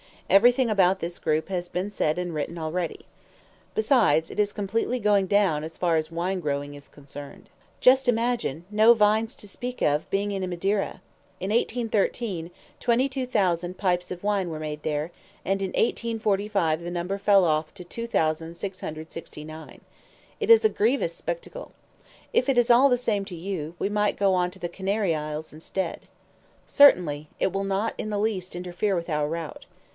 Every thing about this group has been said and written already. Besides, it is completely going down as far as wine growing is concerned. Just imagine no vines to speak of being in Madeira! In 1813, 22,000 pipes of wine were made there, and in 1845 the number fell to 2,669. It is a grievous spectacle! If it is all the same to you, we might go on to the Canary Isles instead." "Certainly. It will not the least interfere with our route."